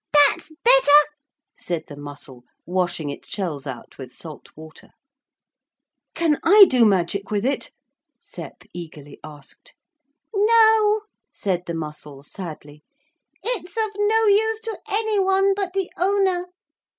'That's better,' said the mussel, washing its shells out with salt water. 'Can I do magic with it?' Sep eagerly asked. 'No,' said the mussel sadly, 'it's of no use to any one but the owner.